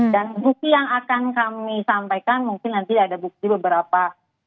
dan bukti yang akan kami sampaikan mungkin nanti ada bukti beberapa